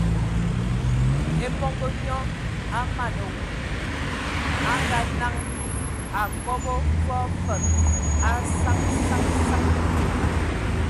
E mɔn nyɔ a mana wulu, a ngaa-naŋ, a kɔbɔgɔ fɔɔ fəg a saŋ saŋ saŋ.